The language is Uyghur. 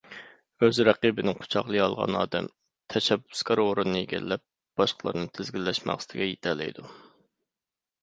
ئۆز رەقىبىنى قۇچاقلىيالىغان ئادەم تەشەببۇسكار ئورۇننى ئىگىلەپ باشقىلارنى تىزگىنلەش مەقسىتىگە يېتەلەيدۇ.